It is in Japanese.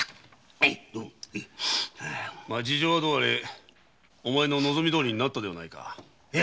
ま事情はどうあれお前の望みどおりになったではないか。